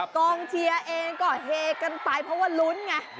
กองเชียร์เองก็เฮกันไปเพราะว่าลุ้นไง